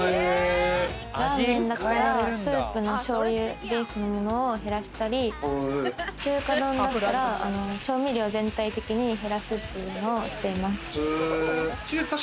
ラーメンだったら、スープの醤油ベースのものを減らしたり、中華丼だったら調味料を全体的に減らすというのをしています。